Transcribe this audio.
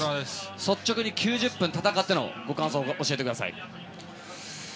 率直に９０分戦ってのご感想を教えてください。